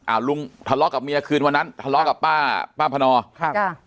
ลุงทะเลาะกับเมียคืนวันนั้นทะเลาะกับป้าป้าพนอครับจ้ะ